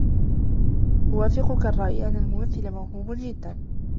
أوافقك الرأي أن الممثل موهوب جدا.